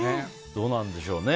どうなんでしょうね。